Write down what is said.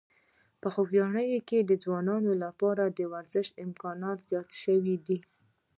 په خوږیاڼي کې د ځوانانو لپاره د ورزش امکانات زیات شوي دي.